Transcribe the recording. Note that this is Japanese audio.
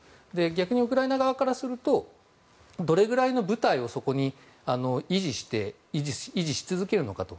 逆にウクライナ側からするとどれくらいの部隊をそこに維持し続けるのかと。